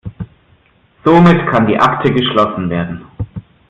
Somit kann die Akte geschlossen werden.